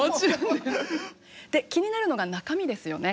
で気になるのが中身ですよね。